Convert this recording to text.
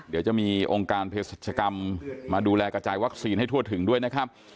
เดี๋ยวจะมีองค์การเพศรัชกรรมมาดูแลกระจายวัคซีนให้ทั่วถึงด้วยนะครับ